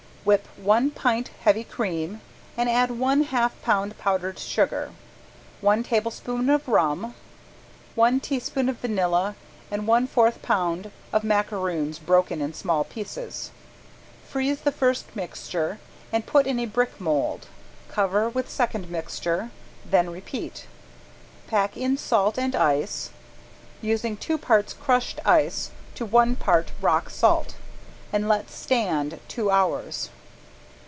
Whip one pint heavy cream and add one half pound powdered sugar, one tablespoon of rum, one teaspoon of vanilla and one fourth pound of macaroons broken in small pieces. Freeze the first mixture and put in a brick mold, cover with second mixture, then repeat. Pack in salt and ice, using two parts crushed ice to one part rock salt and let stand two hours.